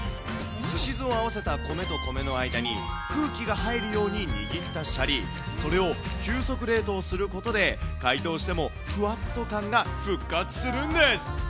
すし酢を合わせた米と米の間に空気が入るように握ったシャリ、それを急速冷凍することで、解凍してもふわっと感が復活するんです。